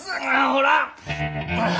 ほら！